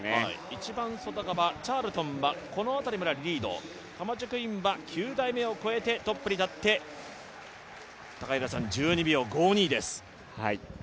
一番外側チャールトンがこの辺りまでリード、カマチョ・クインは９台目を越えてトップに立って高平さん、１２秒５２です。